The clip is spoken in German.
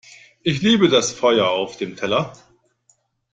Ich liebe das Feuer auf dem Teller!